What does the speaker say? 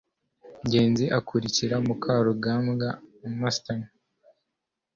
ngenzi akurikira mukarugambwa (amastan